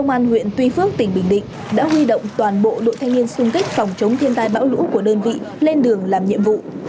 công an huyện tuy phước tỉnh bình định đã huy động toàn bộ đội thanh niên sung kích phòng chống thiên tai bão lũ của đơn vị lên đường làm nhiệm vụ